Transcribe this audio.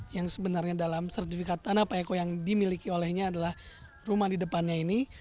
yang sebenarnya dalam sertifikat tanah pak eko yang dimiliki olehnya adalah rumah di depannya ini